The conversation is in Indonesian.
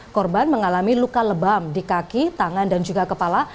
korban mengalami luka lebam di kaki tangan dan juga kepala